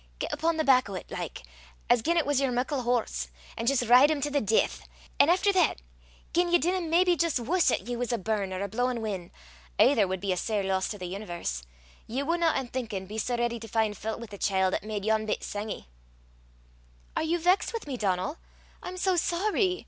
Get up upo' the back o' 't, like, as gien it was yer muckle horse, an' jist ride him to the deith; an' efter that, gien ye dinna maybe jist wuss 'at ye was a burn or a blawin' win' aither wad be a sair loss to the universe ye wunna, I'm thinkin', be sae ready to fin' fau't wi' the chiel 'at made yon bit sangie." "Are you vexed with me, Donal? I'm so sorry!"